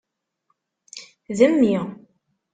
D mmi.